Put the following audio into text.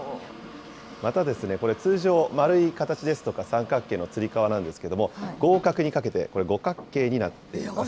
また、これ、通常、丸い形ですとか、三角形のつり革なんですけども、合格にかけて、これ、五角形になっています。